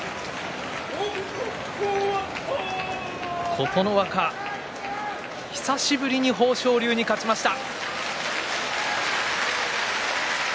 琴ノ若、久しぶりに豊昇龍に勝ちました。